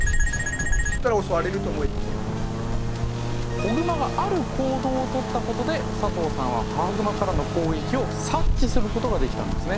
子グマがある行動を取った事で佐藤さんは母グマからの攻撃を察知する事ができたんですね。